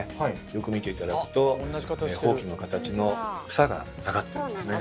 よく見て頂くとほうきの形の房が下がってるんですね。